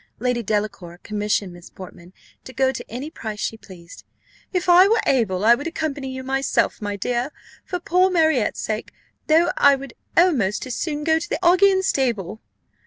Lady Delacour commissioned Miss Portman to go to any price she pleased. "If I were able, I would accompany you myself, my dear, for poor Marriott's sake, though I would almost as soon go to the Augean stable."